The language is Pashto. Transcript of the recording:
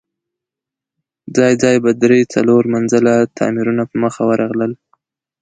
ځای ځای به درې، څلور منزله تاميرونه په مخه ورغلل.